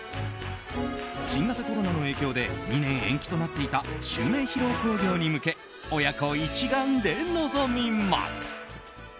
新型コロナの影響で２年延期となっていた襲名披露興行に向け親子一丸で臨みます。